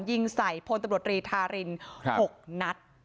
ยิงใส่พลตำรวจรีธาริน๖นัด